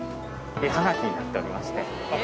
絵はがきになっておりまして。